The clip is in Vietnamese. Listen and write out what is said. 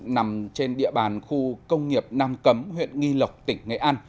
nằm trên địa bàn khu công nghiệp nam cấm huyện nghi lộc tỉnh nghệ an